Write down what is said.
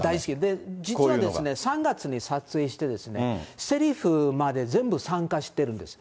実はですね、３月に撮影して、せりふまで全部参加してるんです。